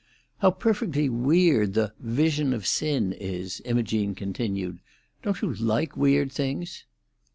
"How perfectly weird the 'Vision of Sin' is!" Imogene continued. "Don't you like weird things?"